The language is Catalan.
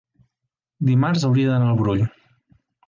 dimarts hauria d'anar al Brull.